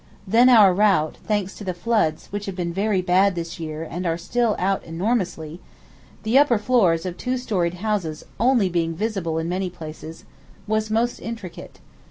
Then our route, thanks to the floods which have been very bad this year and are still out enormously the upper floors of two storied houses only being visible in many places, was most intricate.